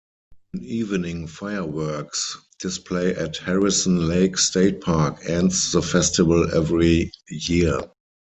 An evening fireworks display at Harrison Lake State Park ends the festival every year.